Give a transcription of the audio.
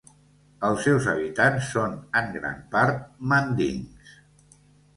Els seus habitants són en gran part mandings.